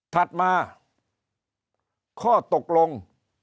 ถัดมาข้อตกลง